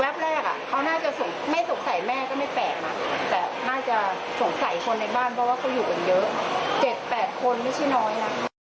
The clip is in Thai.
แรกเขาน่าจะไม่สงสัยแม่ก็ไม่แปลกนะแต่น่าจะสงสัยคนในบ้านเพราะว่าเขาอยู่กันเยอะ๗๘คนไม่ใช่น้อยนะ